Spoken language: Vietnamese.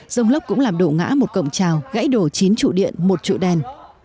dông lốc cũng làm đổ ngã một cộng trào gãy đổ chín trụ điện một trụ đèn